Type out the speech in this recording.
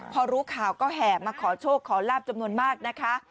พอรู้ข่าวก็แห่มาขอโชคขอลาบจำนวนมากนะคะ